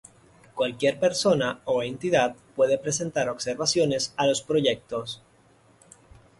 Cualquier persona o entidad puede presentar observaciones a los proyectos.